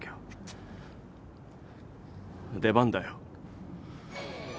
出番だよ。